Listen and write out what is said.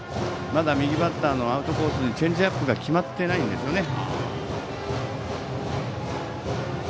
まだ右バッターのアウトコースにチェンジアップが決まっていないんですよね。